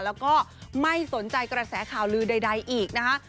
แล้วก็ไม่สนใจกระแสข่าวลือใดอีกนะคะ